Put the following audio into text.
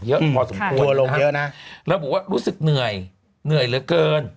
เยอะพอสมควรเยอะนะระบุว่ารู้สึกเหนื่อยเหนื่อยเหลือเกิน